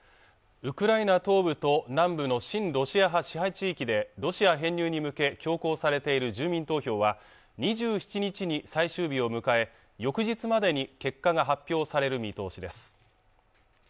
ウクライナ東部と南部の親ロシア派支配地域でロシア編入に向け強行されている住民投票は２７日に最終日を迎え翌日までに結果が発表される見通しです